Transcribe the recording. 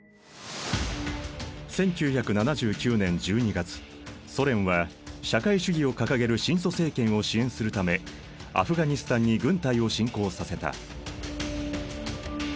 １９７９年１２月ソ連は社会主義を掲げる親ソ政権を支援するためアフガニスタンに軍隊を侵攻させた。